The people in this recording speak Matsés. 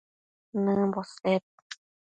nëmbo sed